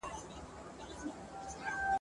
زه که در ځم نو بې اختیاره درځم ..